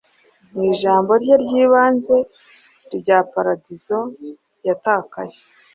Mu ijambo rye ry'ibanze rya paradizo yatakaye,